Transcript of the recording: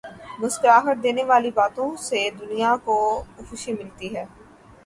مسکراہٹ دینے والی باتوں سے دنیا کو خوشی ملتی ہے۔